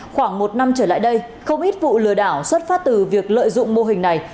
khoảng một năm trở lại đây không ít vụ lừa đảo xuất phát từ việc lợi dụng mô hình này